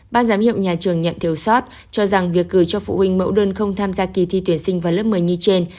ban giám hiệu nhà trường nhận thiếu sót cho rằng việc gửi cho phụ huynh mẫu đơn không tham gia kỳ thi tuyển sinh vào lớp một mươi như trên